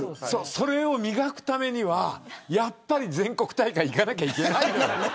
それを磨くためにはやっぱり全国大会にいかなきゃいけないんだ。